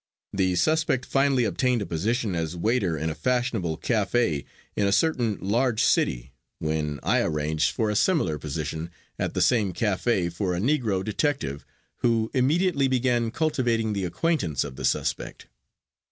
The suspect finally obtained a position as waiter in a fashionable cafe in a certain large city, when I arranged for a similar position at the same cafe for a negro detective, who immediately began cultivating the acquaintance of the suspect.